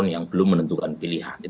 yang belum menentukan pilihan